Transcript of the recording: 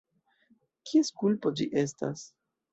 Kies kulpo ĝi estas?